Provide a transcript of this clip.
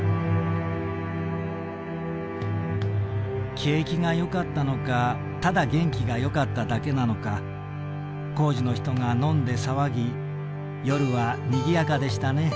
「景気がよかったのかただ元気がよかっただけなのか工事の人が飲んで騒ぎ夜はにぎやかでしたね。